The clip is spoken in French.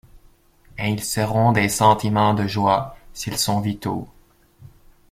Et ils seront des sentiments de joie, s’ils sont vitaux.